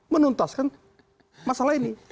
menuntaskan masalah ini